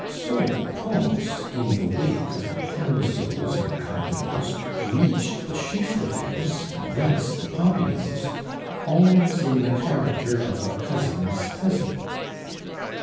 So Pons, in the wake of the Camusots and Cardots, reached the Chiffrevilles, and thence the Popinots, always in the character of a cousin's cousin.